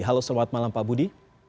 halo selamat malam pak budi